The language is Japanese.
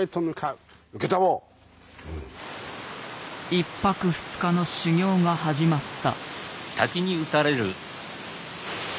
１泊２日の修行が始まった。